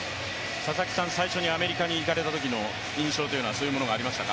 最初にアメリカに行かれたときの印象はそういうものがありましたか？